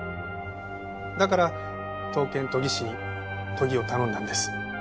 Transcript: だから刀剣研ぎ師に研ぎを頼んだんです。